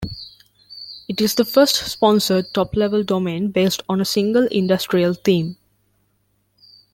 It is the first sponsored top-level domain based on a single industrial theme.